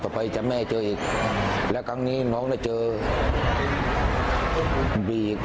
ต่อไปจะไม่เจออีกและครั้งนี้น้องได้เจอบีอีก